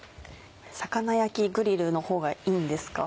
魚焼きグリルの方がいいんですか？